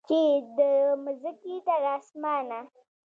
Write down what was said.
چې د مځکې تر اسمانه